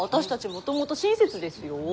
もともと親切ですよ。